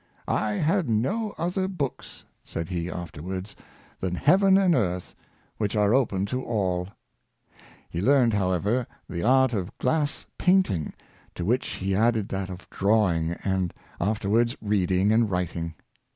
" I had no other books, ^' said he, afterwards, " than heaven and earth, which are open to all." Fie learned, howev er, the art of glass painting, to which he added that of drawing, and afterwards reading and writing.